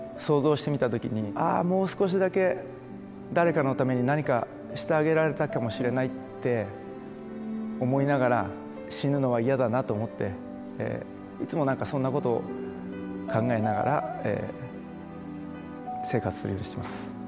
もう少しだけ誰かのために何かしてあげられたかもしれないって思いながら死ぬのは嫌だなと思っていつもなんかそんなことを考えながら生活するようにしてます